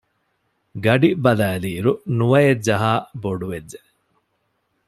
ގަޑި ބަލައިލިއިރު ނުވައެއް ޖަހާ ބޮޑުވެއްޖެ